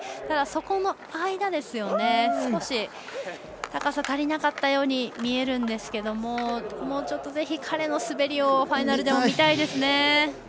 ただ、そこの間少し高さ足りなかったように見えるんですけどもうちょっと、ぜひ彼の滑りをファイナルでも見たいですね。